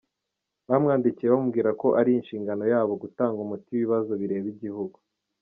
Bamwandikiye bamubwira ko ari inshingano yabo gutanga umuti w’ibibazo bireba igihugu.